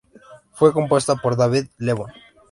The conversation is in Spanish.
Fue compuesta por David Lebón.